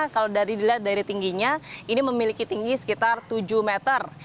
kalau dilihat dari tingginya ini memiliki tinggi sekitar tujuh meter